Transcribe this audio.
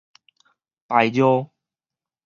排尿